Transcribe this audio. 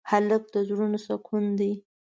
هلک د زړونو سکون دی.